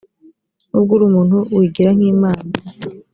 nubwo uri umuntu wigira nk’imana .